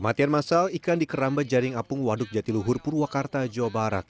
kematian masal ikan di keramba jaring apung waduk jatiluhur purwakarta jawa barat